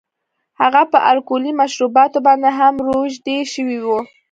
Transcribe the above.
هغه په الکولي مشروباتو باندې هم روږدی شوی و